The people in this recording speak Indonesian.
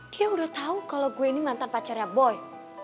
dia udah tahu kalau gue ini mantan pacarnya boy